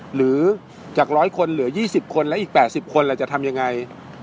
หรือจาก๑๐๐คนเหลือ๒๐คนและอีก๘๐คนเราจะทำยังไง